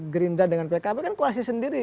gerindra dengan pkb kan koalisi sendiri